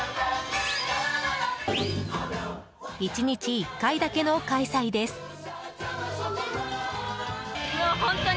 １日１回だけの開催です。